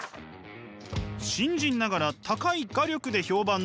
新人ながら高い画力で評判の足立さん。